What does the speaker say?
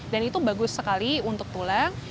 dan itu bagus sekali untuk tulang